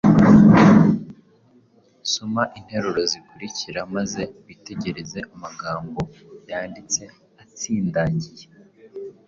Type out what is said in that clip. Soma interuro zikurikira maze witegereze amagambo yanditse atsindangiye,